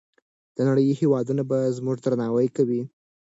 د نړۍ هېوادونه به زموږ درناوی کوي.